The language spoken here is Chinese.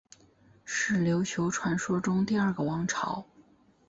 是琉球传说中第二个王朝。